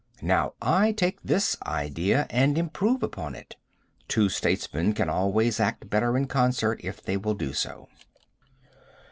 Now I take this idea and improve upon it. Two statesmen can always act better in concert if they will do so.